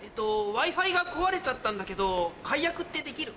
Ｗｉ−Ｆｉが壊れちゃったんだけど解約ってできる？